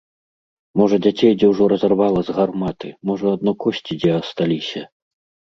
Можа дзяцей дзе ўжо разарвала з гарматы, можа адно косці дзе асталіся!